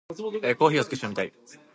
コーヒーを少し飲みたい。